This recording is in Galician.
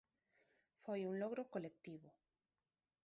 Foi un logro colectivo.